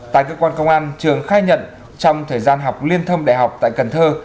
tại cơ quan công an trường khai nhận trong thời gian học liên thông đại học tại cần thơ